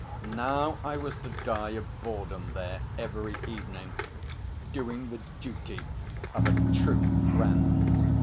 Now I was to die of boredom there every evening, doing the duty of a true friend!